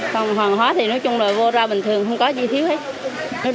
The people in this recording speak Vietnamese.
phòng hàng hóa thì nói chung là vô ra bình thường không có gì thiếu hết